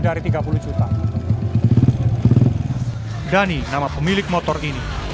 dhani nama pemilik motor ini